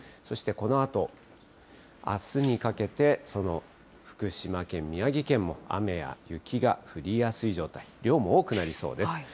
そしてこのあと、あすにかけてその福島県、宮城県も、雨や雪が降りやすい状態、量も多くなりそうです。